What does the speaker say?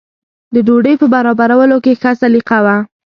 د ډوډۍ په برابرولو کې ښه سلیقه وه.